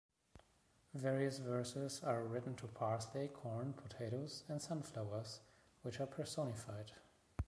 Various verses are written to parsley, corn, potatoes, and sunflowers, which are personified.